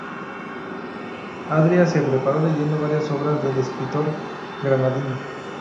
Adriá se preparó leyendo varias obras del escritor granadino.